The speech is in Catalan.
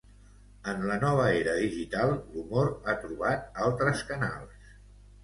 En la nova era digital, l'humor ha trobat altres canals.